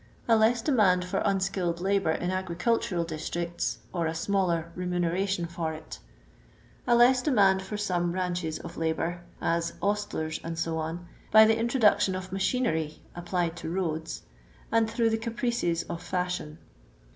A less demand for unskilled labour in agricul tural districts, or a smaller remuneration for it A less demand for some branches of labour (as ostlers, &c), by the introduction of machinery (applied to roads), or through the caprices of fiuhion.